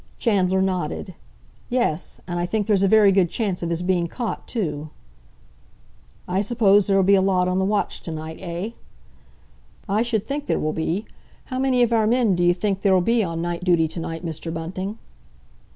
Chandler nodded. "Yes. And I think there's a very good chance of his being caught too—" "I suppose there'll be a lot on the watch to night, eh?" "I should think there will be! How many of our men d'you think there'll be on night duty to night, Mr. Bunting?"